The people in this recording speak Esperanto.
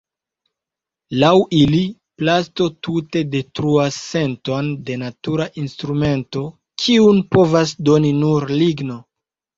Laŭ ili plasto tute detruas senton de natura instrumento, kiun povas doni nur ligno.